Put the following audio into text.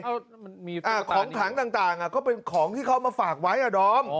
อ้าวมันมีตรงต่างอ่ะของถังต่างอ่ะก็เป็นของที่เขาเอามาฝากไว้อ่ะดอม